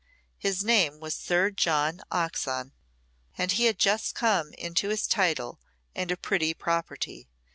His name was Sir John Oxon, and he had just come into his title and a pretty property.